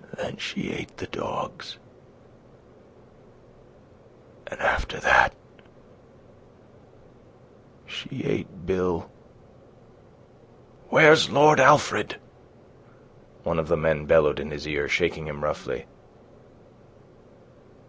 ... Then she ate the dogs. ... An' after that she ate Bill. ..." "Where's Lord Alfred?" one of the men bellowed in his ear, shaking him roughly.